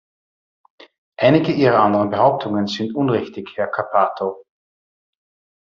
Einige Ihrer anderen Behauptungen sind unrichtig, Herr Cappato.